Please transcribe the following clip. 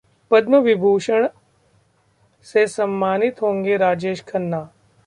पद्म विभूष्ण से सम्मानित होंगे राजेश खन्ना